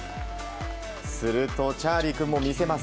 すると、チャーリー君も見せます。